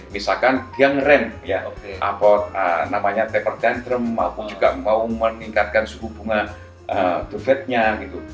misalkan dia ngeramp ya apot namanya temper tantrum maupun juga mau meningkatkan suku bunga duvetnya gitu